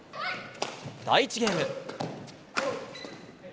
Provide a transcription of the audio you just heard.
第１ゲーム。